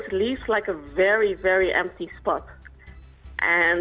itu selalu membuat saya berada di tempat yang sangat kosong